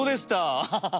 アハハハハ。